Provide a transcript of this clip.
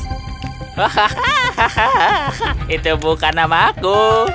hahaha itu bukan namaku